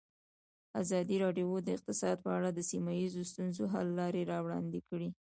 ازادي راډیو د اقتصاد په اړه د سیمه ییزو ستونزو حل لارې راوړاندې کړې.